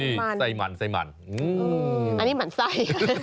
นี่ใส่หมั่นใส่หมั่นอันนี้หมั่นใส่